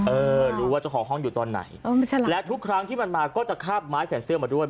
เออรู้ว่าเจ้าของห้องอยู่ตอนไหนและทุกครั้งที่มันมาก็จะคาบไม้แขนเสื้อมาด้วย